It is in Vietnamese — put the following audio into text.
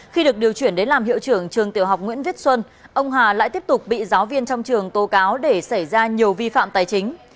khi được điều chuyển đến làm hiệu trưởng trường tiểu học nguyễn viết xuân ông hà lại tiếp tục bị giáo viên trong trường tố cáo để xảy ra nhiều vi phạm tài chính